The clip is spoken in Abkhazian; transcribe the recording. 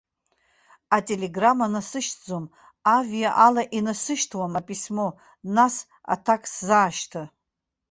Ателеграмма насышьҭӡом, авиа ала инасышьҭуеит аписмо, нас аҭак сзаашьҭы.